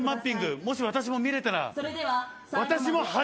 もし私も見れたら。